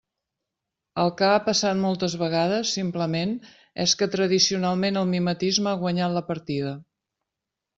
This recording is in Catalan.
El que ha passat moltes vegades, simplement, és que tradicionalment el mimetisme ha guanyat la partida.